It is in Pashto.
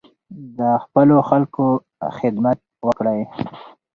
د خپلو خلکو خدمت وکړئ.